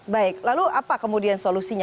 baik lalu apa kemudian solusinya